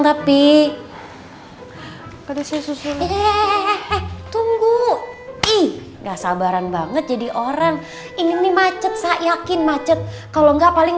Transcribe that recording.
tapi eh tunggu ih gak sabaran banget jadi orang ini macet saya yakin macet kalau nggak paling